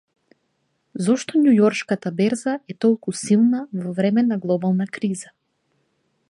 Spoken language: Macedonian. Зошто Њујоршката берза е толку силна во време на глобална криза